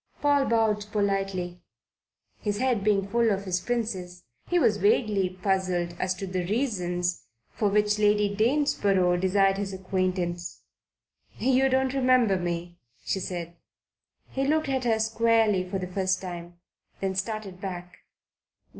Paul bowed politely. His head being full of his Princess, he was vaguely puzzled as to the reasons for which Lady Danesborough desired his acquaintance. "You don't remember me," she said. He looked at her squarely for the first time; then started back.